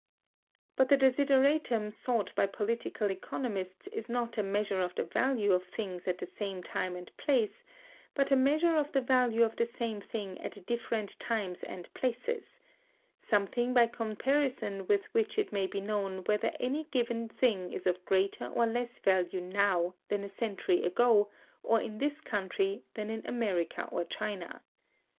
But the desideratum sought by political economists is not a measure of the value of things at the same time and place, but a measure of the value of the same thing at different times and places: something by comparison with which it may be known whether any given thing is of greater or less value now than a century ago, or in this country than in America or China.